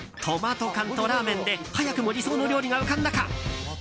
トマト缶とラーメンで早くも理想の料理が浮かんだか。